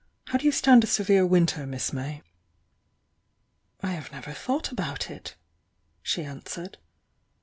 How do you stand a severe winter, Miss May?" "I have never thought about it," she answered.